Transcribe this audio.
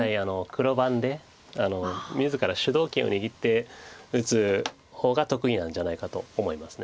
黒番で自ら主導権を握って打つ方が得意なんじゃないかと思います。